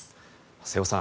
瀬尾さん